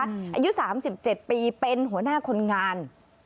อายุ๓๗ปีเป็นหัวหน้าคนงาน